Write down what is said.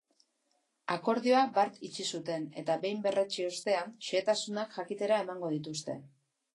Akordioa bart itxi zuten eta behin berretsi ostean xehetasunak jakitera emango dituzte.